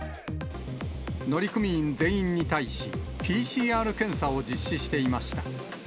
乗組員全員に対し、ＰＣＲ検査を実施していました。